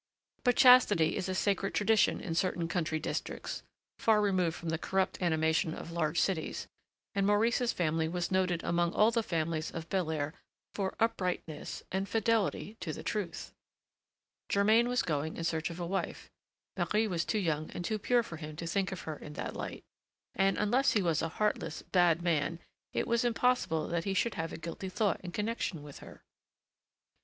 But chastity is a sacred tradition in certain country districts, far removed from the corrupt animation of large cities, and Maurice's family was noted among all the families of Belair for uprightness, and fidelity to the truth. Germain was going in search of a wife; Marie was too young and too pure for him to think of her in that light, and, unless he was a heartless, bad man, it was impossible that he should have a guilty thought in connection with her.